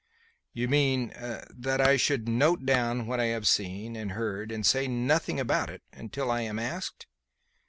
"You mean that I should note down what I have seen and heard and say nothing about it until I am asked."